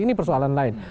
ini persoalan lain